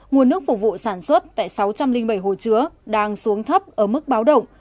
nguồn nước phục vụ sản xuất tại sáu trăm linh bảy hồ chứa đang xuống thấp ở mức báo động